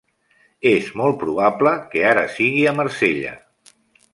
És molt probable que ara sigui a Marsella.